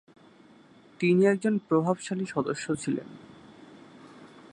তিনি একজন প্রভাবশালী সদস্য ছিলেন।